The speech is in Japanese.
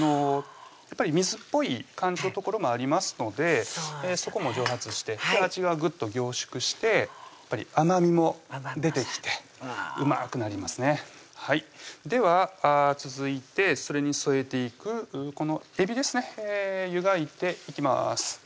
やっぱり水っぽい感じのところもありますのでそこも蒸発して味がぐっと凝縮してやっぱり甘みも出てきてうまくなりますねでは続いてそれに添えていくこのえびですね湯がいていきます